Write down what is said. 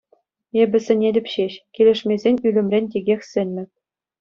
Эпӗ сӗнетӗп ҫеҫ, килӗшмесен ӳлӗмрен текех сӗнмӗп.